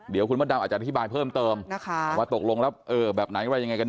เดี๋ยวคุณมดดำอาจจะอธิบายเพิ่มเติมนะคะว่าตกลงแล้วแบบไหนว่ายังไงกันแ